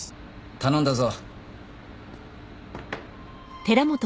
頼んだぞ。